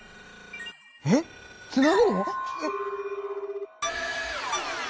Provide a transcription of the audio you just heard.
えっつなぐの？